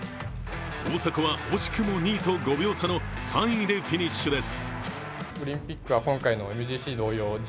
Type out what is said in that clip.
大迫は惜しくも２位と５秒差の３位でフィニッシュです。